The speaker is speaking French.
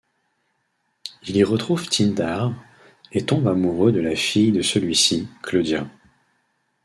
Il y retrouve Tyndare, et tombe amoureux de la fille de celui-ci, Claudia.